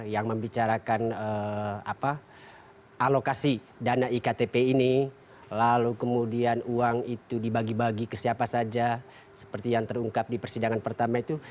yang membicarakan alokasi dana iktp ini lalu kemudian uang itu dibagi bagi ke siapa saja seperti yang terungkap di persidangan pertama itu